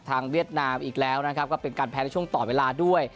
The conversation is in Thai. เวียดนามอีกแล้วนะครับก็เป็นการแพ้ในช่วงต่อเวลาด้วย